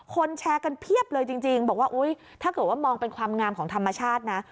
แชร์กันเพียบเลยจริงบอกว่าอุ๊ยถ้าเกิดว่ามองเป็นความงามของธรรมชาตินะ